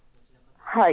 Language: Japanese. はい。